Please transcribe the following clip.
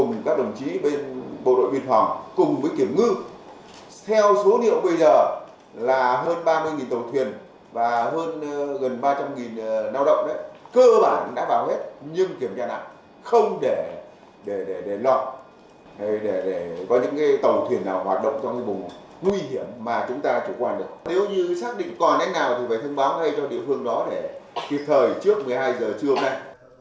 nếu như xác định còn nét nào thì phải thông báo ngay cho địa phương đó để kịp thời trước một mươi hai h trưa hôm nay